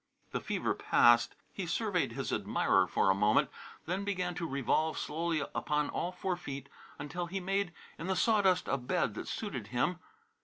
The fever passed; he surveyed his admirer for a moment, then began to revolve slowly upon all four feet until he had made in the sawdust a bed that suited him.